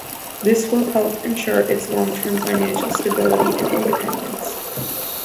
This will help ensure its long-term financial stability and independence.